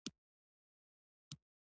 د مالټې خوړل د زړه د ناروغیو مخنیوی کوي.